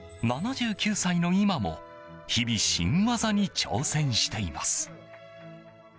７９歳の今も、日々新技に挑戦しています。